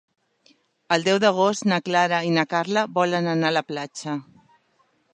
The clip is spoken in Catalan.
El deu d'agost na Clara i na Carla volen anar a la platja.